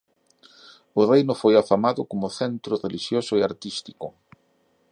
O reino foi afamado como centro relixioso e artístico.